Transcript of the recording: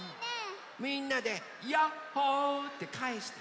みんなでヤッホーってかえして！